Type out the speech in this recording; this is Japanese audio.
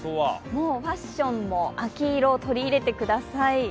ファッションも秋色を取り入れてください。